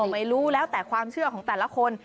ไม่รู้แล้วแต่ความเชื่อของแต่ละคน